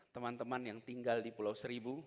teman teman yang tinggal di pulau seribu